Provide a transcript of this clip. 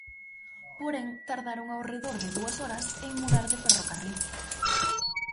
Porén, tardaron ao redor de dúas horas en mudar de ferrocarril.